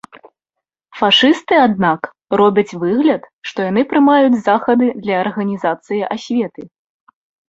Фашысты, аднак, робяць выгляд, што яны прымаюць захады для арганізацыі асветы.